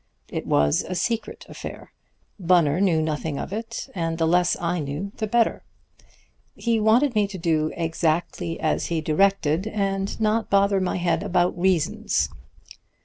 It was a secret affair. Bunner knew nothing of it, and the less I knew the better. He wanted me to do exactly as he directed, and not bother my head about reasons.